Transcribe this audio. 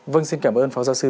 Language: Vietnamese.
vâng xin cảm ơn phó giáo sư